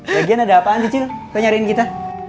lagian ada apaan cicu kau nyariin kita